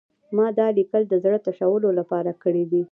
ما دا لیکل د زړه تشولو لپاره کړي دي